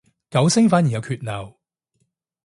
九聲反而有缺漏